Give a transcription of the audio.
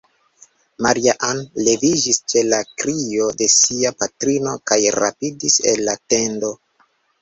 Maria-Ann leviĝis ĉe la krio de sia patrino, kaj rapidis el la tendo.